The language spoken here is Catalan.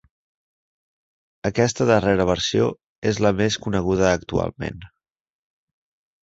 Aquesta darrera versió és la més coneguda actualment.